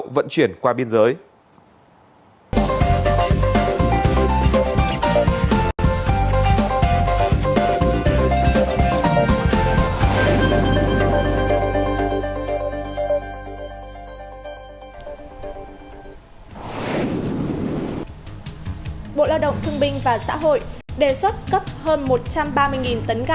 các nhập lậu vận chuyển qua biên giới